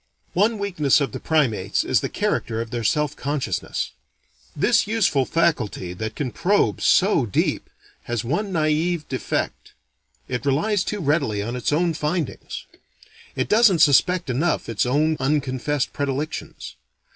One weakness of the primates is the character of their self consciousness. This useful faculty, that can probe so deep, has one naive defect it relies too readily on its own findings. It doesn't suspect enough its own unconfessed predilections.